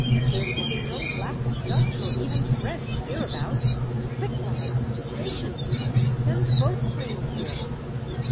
" There should be no lack of Dutch or even French hereabouts. Quick, lads, to stations. Send the boatswain here."